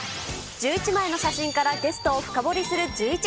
１１枚の写真からゲストを深掘りするジューイチ。